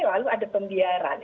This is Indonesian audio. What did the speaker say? lalu ada pembiaran